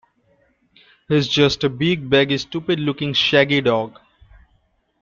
He's just a big, baggy, stupid-looking, shaggy dog!